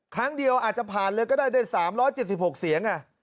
ครั้งเดียวอาจจะผ่านเลยก็ได้ได้๓๗๖เสียง